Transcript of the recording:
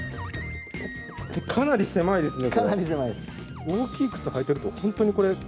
かなり狭いですね。